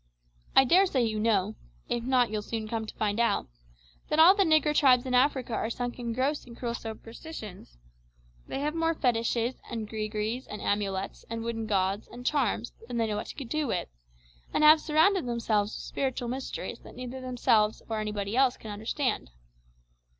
"I daresay you know if not you'll soon come to find out that all the nigger tribes in Africa are sunk in gross and cruel superstitions. They have more fetishes, and greegrees, and amulets, and wooden gods, and charms, than they know what to do with, and have surrounded themselves with spiritual mysteries that neither themselves nor anybody else can understand.